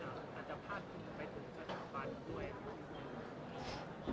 อาจจะพาดพิงไปถึงสถาบันด้วยหรือเปล่า